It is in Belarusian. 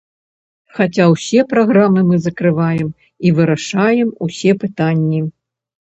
Хаця ўсе праграмы мы закрываем і вырашаем усе пытанні.